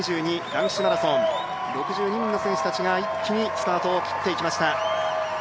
男子マラソン、６２人の選手たちが一気にスタートを切っていきました。